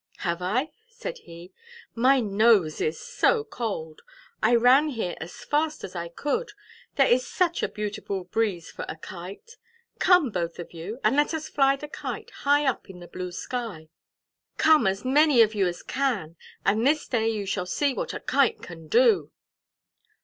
"Have I?" said he; "my nose is so cold! I ran here as fast as I could, there is such a beautiful breeze for a Kite. Come, both of you, and let us fly the Kite high up in the blue sky; come as many of you as can, and this day you shall see what a Kite can do!"